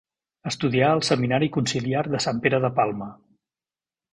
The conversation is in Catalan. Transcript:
Estudià al Seminari conciliar de Sant Pere de Palma.